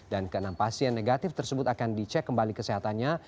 dan ke enam pasien negatif tersebut akan dicek kembali kesehatannya